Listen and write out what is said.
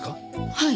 はい。